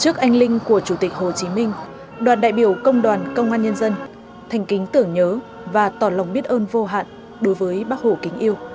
trước anh linh của chủ tịch hồ chí minh đoàn đại biểu công đoàn công an nhân dân thành kính tưởng nhớ và tỏ lòng biết ơn vô hạn đối với bác hồ kính yêu